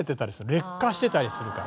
劣化してたりするから。